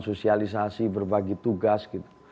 sosialisasi berbagi tugas